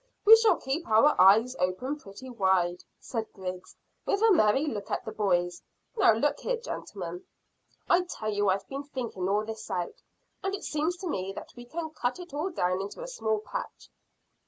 We shall keep our eyes open pretty wide," said Griggs, with a merry look at the boys. "Now, look here, gentlemen, I tell you I've been thinking all this out, and it seems to me that we can cut it all down into a small patch."